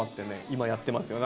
今やってますよ。